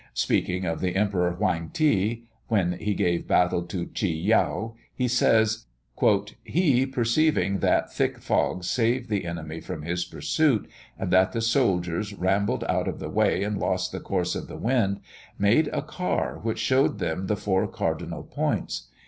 Speaking of the Emperor Hoang ti, when he gave battle to Tchi Yeou, he says: "He, perceiving that thick fogs saved the enemy from his pursuit, and that the soldiers rambled out of the way and lost the course of the wind, made a car which showed them the four cardinal points.